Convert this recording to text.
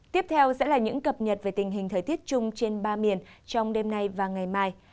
tiếp theo sẽ là những cập nhật về tình hình thời tiết chung trên ba miền trong đêm nay và ngày mai